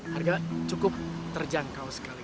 harga cukup terjangkau sekali